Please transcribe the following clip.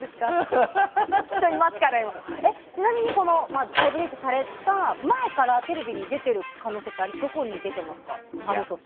ちなみに、大ブレークされた前からテレビに出てた可能性ってどこに出てますか？